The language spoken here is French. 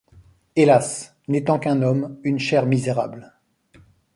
Hélas ! n’étant qu’un homme, une chair misérable